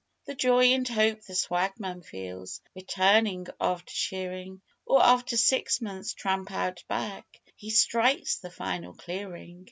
The joy and hope the swagman feels Returning, after shearing, Or after six months' tramp Out Back, He strikes the final clearing.